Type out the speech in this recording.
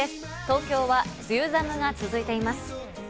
東京は梅雨寒が続いています。